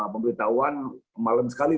pemberitahuan malam sekali